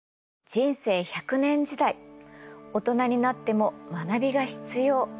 人生１００年時代大人になっても学びが必要。